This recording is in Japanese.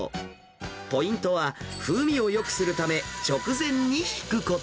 ポイントは風味をよくするため直前にひくこと。